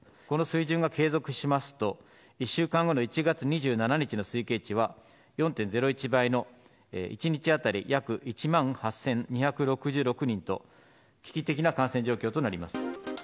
この水準が継続しますと、１週間後の１月２７日の推計値は４．０１倍の、１日当たり約１万８２６６人と、危機的な感染状況となります。